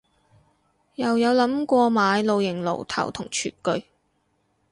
又有諗過買露營爐頭同廚具